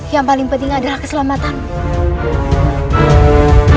yang paling penting adalah keselamatan